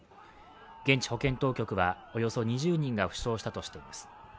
現地保健当局はおよそ２０人が負傷したとしています。